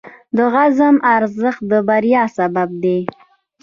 د عزم ارزښت د بریا سبب دی.